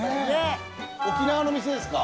沖縄の店ですか？